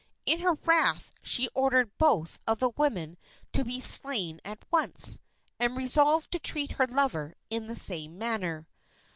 In her wrath she ordered both of the women to be slain at once, and resolved to treat her lover in the same manner.